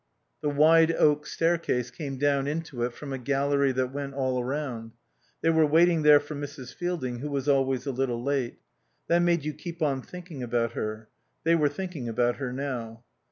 The wide oak staircase came down into it from a gallery that went all around. They were waiting there for Mrs. Fielding who was always a little late. That made you keep on thinking about her. They were thinking about her now.